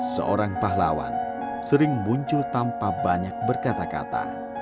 seorang pahlawan sering muncul tanpa banyak berkata kata